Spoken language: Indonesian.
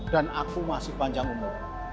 dan aku masih panjang umur